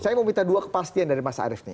saya mau minta dua kepastian dari mas arief nih